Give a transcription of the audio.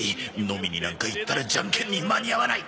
飲みになんか行ったらジャンケンに間に合わない！